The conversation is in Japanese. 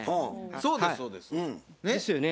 そうですそうです。ですよね？